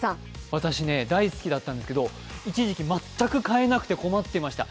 私、大好きだったんですけど一時期、全く買えなくて困っていました。